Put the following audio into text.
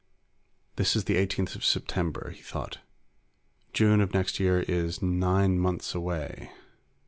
This is the eighteenth of September, he thought, _June of next year is nine months away.